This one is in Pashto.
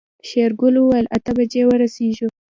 شېرګل وويل اته بجې ورسيږو.